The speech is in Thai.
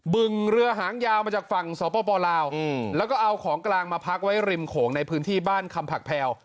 ึงเรือหางยาวมาจากฝั่งสปลาวแล้วก็เอาของกลางมาพักไว้ริมโขงในพื้นที่บ้านคำผักแพลว